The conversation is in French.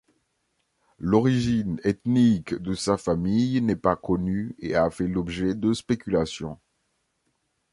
L’origine ethnique de sa famille n’est pas connue et a fait l’objet de spéculations.